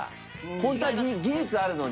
本当は技術あるのに。